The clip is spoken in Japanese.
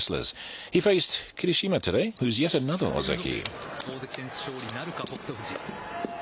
３日連続大関戦勝利なるか、北勝富士。